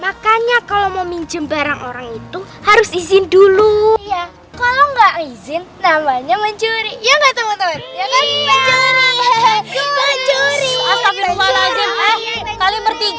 makanya kalau mau minjem barang orang itu harus izin dulu iya kalau nggak izin namanya mencuri